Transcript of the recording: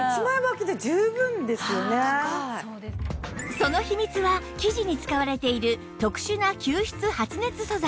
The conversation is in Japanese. その秘密は生地に使われている特殊な吸湿発熱素材